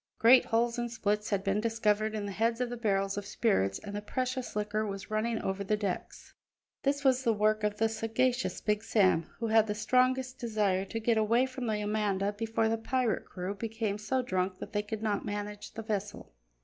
Great holes and splits had been discovered in the heads of the barrels of spirits, and the precious liquor was running over the decks. This was the work of the sagacious Big Sam, who had the strongest desire to get away from the Amanda before the pirate crew became so drunk that they could not manage the vessel.